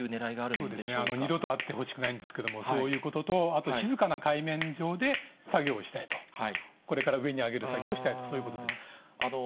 そうですね、二度とあってほしくないんですけれども、そういうことと、あと静かな海面上で作業をしたいと、これから上に揚げる作業をしたいと、そういうことです。